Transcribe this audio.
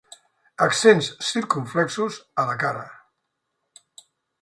Accents circumflexos a la cara.